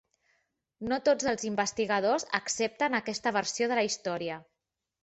No tots els investigadors accepten aquesta versió de la història.